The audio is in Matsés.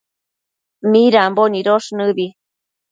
midambo nidosh nëbi